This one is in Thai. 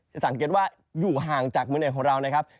จะสังเกตว่าอยู่ห่างจากเมืองไหนของเรานะครับ